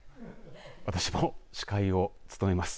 私も司会を務めます。